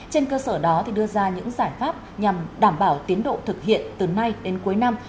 trên cơ sở đó đưa ra những giải pháp nhằm đảm bảo tiến độ thực hiện từ nay đến cuối năm